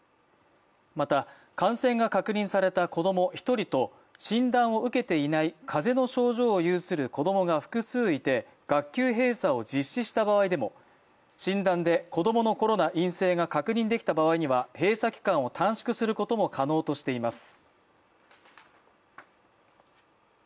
また、感染が確認された子供１人と診断を受けていないかぜの症状を有する子供が複数いて学級閉鎖を実施した場合でも診断で子供のコロナ陰性が確認できた場合には閉鎖期間を短縮することも可能としています。